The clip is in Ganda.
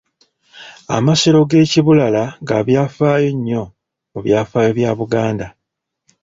Amasiro g’e Kibulala ga byafaayo nnyo mu byafaayo bya Buganda.